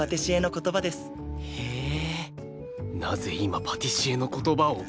なぜ今パティシエの言葉を？